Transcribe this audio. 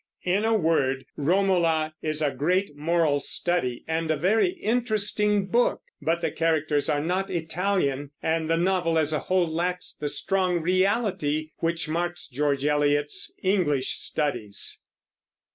In a word, Romola is a great moral study and a very interesting book; but the characters are not Italian, and the novel as a whole lacks the strong reality which marks George Eliot's English studies.